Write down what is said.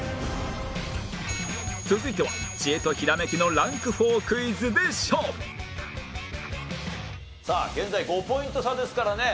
続いては知恵とひらめきのランク４クイズで勝負さあ現在５ポイント差ですからね。